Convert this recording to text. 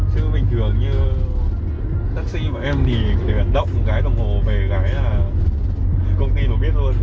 chứ bình thường như taxi mà em thì có thể động cái đồng hồ về gái là công ty nó biết luôn